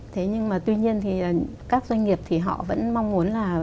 thế nhưng mà tuy nhiên thì các doanh nghiệp thì họ vẫn mong muốn là